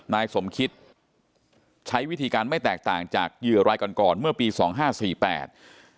นายสมคิดใช้วิธีการไม่แตกต่างจากเหยื่อรายก่อนเมื่อปี๒๕๔นะครับ